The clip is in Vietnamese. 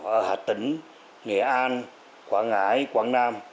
ở hà tĩnh nghệ an quảng ngãi quảng nam